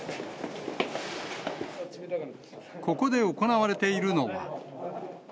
ここで行われているのは。